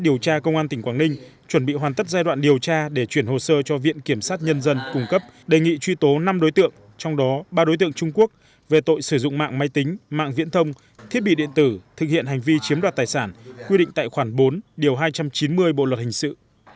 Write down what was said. điều tra công an tỉnh quảng ninh chuẩn bị hoàn tất giai đoạn điều tra để chuyển hồ sơ cho viện kiểm sát nhân dân cung cấp đề nghị truy tố năm đối tượng trong đó ba đối tượng trung quốc về tội sử dụng mạng máy tính mạng viễn thông thiết bị điện tử thực hiện hành vi chiếm đoạt tài sản quy định tại khoản bốn điều hai trăm chín mươi bộ luật hình sự